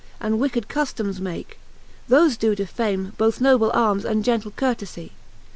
And wicked cuftomes make, thole doe defame: Both noble armes and gentle eurteiie.